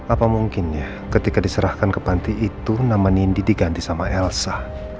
apa mungkin ya ketika diserahkan ke panti itu nama nindi diganti sama elsa